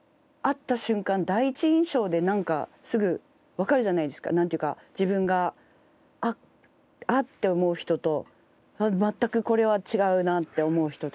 第一印象でなんかすぐわかるじゃないですか。なんていうか自分があっ！って思う人と全くこれは違うなって思う人といるじゃないですか。